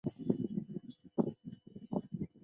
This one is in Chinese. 后为兵部主事加四级特授中宪大夫。